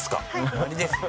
終わりですよ。